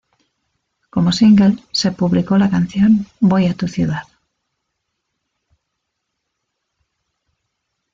Como single se publicó la canción "Voy a tu ciudad".